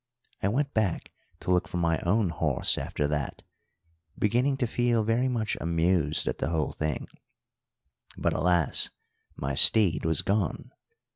I went back to look for my own horse after that, beginning to feel very much amused at the whole thing; but, alas! my steed was gone.